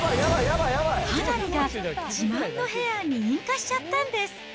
花火が自慢のヘアに引火しちゃったんです。